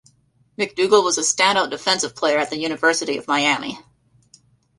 McDougle was a standout defensive player at the University of Miami.